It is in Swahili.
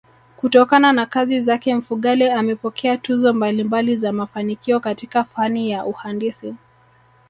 Kutokana na kazi zake Mfugale amepokea tuzo mbalimbai za mafanikio katika fani ya uhandisi